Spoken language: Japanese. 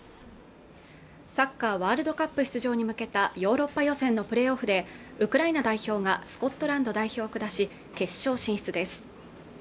サッカーワールドカップ出場に向けたヨーロッパ予選のプレーオフでウクライナ代表がスコットランド代表を下し決勝進出です